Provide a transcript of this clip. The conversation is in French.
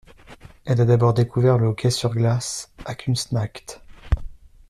Elle a d'abord découvert le hockey sur glace à Küsnacht.